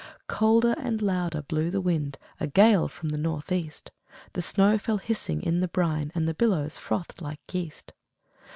Colder and louder blew the wind, A gale from the North east; The snow fell hissing in the brine, And the billows frothed like yeast.